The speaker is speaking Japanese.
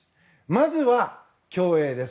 まずは競泳です。